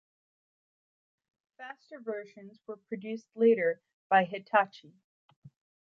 Faster versions were produced later by Hitachi.